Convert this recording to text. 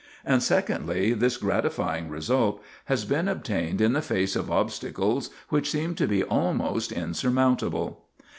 And secondly, this gratifying result has been obtained in the face of obstacles which seemed to be almost insurmountable."